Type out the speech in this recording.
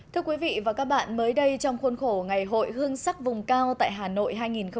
thưa quý vị và các bạn mới đây trong khuôn khổ ngày hội hương sắc vùng cao tại hà nội hai nghìn một mươi chín